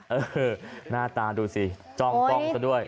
เออหน้าตาดูสิจองป้องกันด้วย